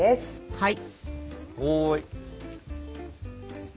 はい。